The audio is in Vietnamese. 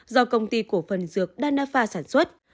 do công ty cổ phần dược nadapha sản xuất